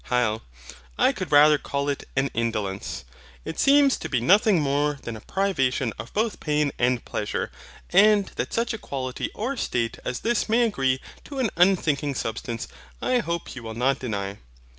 HYL. I could rather call it an INDOLENCE. It seems to be nothing more than a privation of both pain and pleasure. And that such a quality or state as this may agree to an unthinking substance, I hope you will not deny.